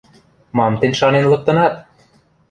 — Мам тӹнь шанен лыктынат?